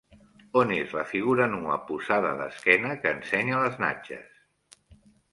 On és la figura nua posada d'esquena que ensenya les natges?